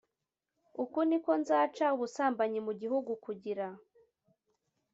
Uku ni ko nzaca ubusambanyi mu gihugu kugira